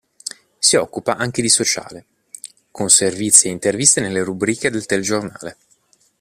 Si occupa anche di sociale, con servizi e interviste nelle rubriche del telegiornale.